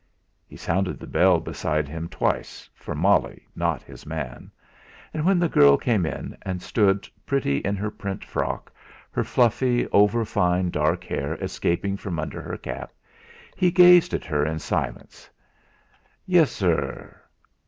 He sounded the bell beside him twice for Molly, not his man. And when the girl came in, and stood, pretty in her print frock, her fluffy over fine dark hair escaping from under her cap, he gazed at her in silence. "Yes, sirr?"